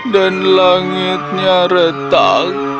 dan langitnya retak